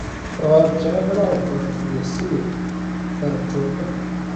تواب چیغه کړه او پر پرې شوي سر ټوپ کړ.